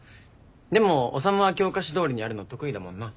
でも修は教科書どおりにやるの得意だもんな。